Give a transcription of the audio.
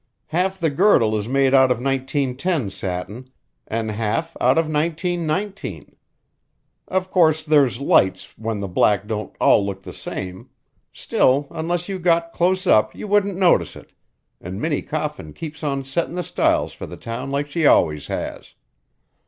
Half the girdle is made out of 1910 satin, an' half out of 1919. Of course there's lights when the blacks don't all look the same; still, unless you got close up you wouldn't notice it, an' Minnie Coffin keeps on settin' the styles for the town like she always has."